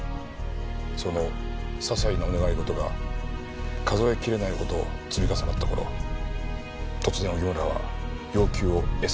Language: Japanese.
そのささいなお願い事が数え切れないほど積み重なった頃突然荻村は要求をエスカレートさせました。